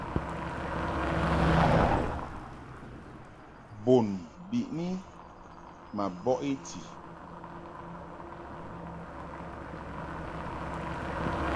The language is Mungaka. Bun biʼni ma bɔʼ i ti.